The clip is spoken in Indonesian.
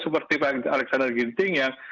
seperti pak alexander ginting yang